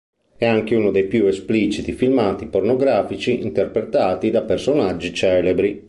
È anche uno dei più espliciti filmati pornografici interpretati da personaggi celebri.